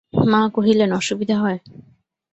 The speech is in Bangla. মা কহিলেন, অসুবিধা হয়।